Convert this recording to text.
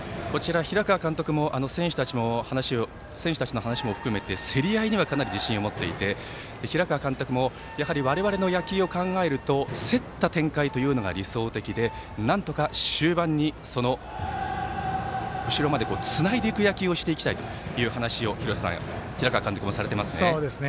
平川監督も選手たちの話も含めて競り合いにはかなり自信を持っていて平川監督も我々の野球を考えると競った展開というのが理想的で、なんとか終盤に後ろまでつないでいく野球をしていきたいという話を平川監督もされていますね。